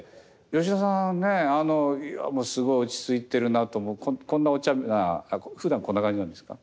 吉田さんねすごい落ち着いているなとこんなおちゃめなふだんこんな感じなんですか？